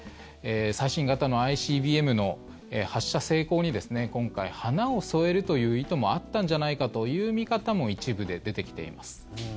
最新型のＩＣＢＭの発射成功に今回、花を添えるという意図もあったんじゃないかという見方も一部で出てきています。